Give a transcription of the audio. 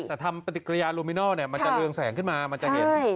แต่ทำปัจจิกรยาลูมินอลเนี่ยมันจะเกริงแสงขึ้นมามันจะเห็น